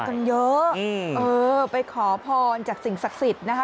กันเยอะเออไปขอพรจากสิ่งศักดิ์สิทธิ์นะคะ